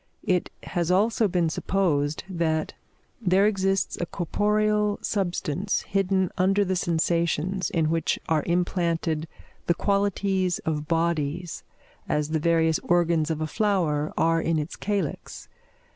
It has also been supposed, that there exists a corporeal substance hidden under the sensations, in which are implanted the qualities of bodies, as the various organs of a flower are in its calyx.